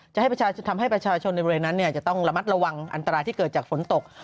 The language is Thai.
ทำให้ประชาชนในบริเวณนั้นจะต้องระมัดระวังอันตรายที่เกิดจากฝนตก